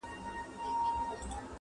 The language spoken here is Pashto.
چي پاچا وي څوک په غېږ کي ګرځولی!!